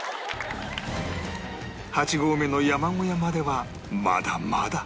８合目の山小屋まではまだまだ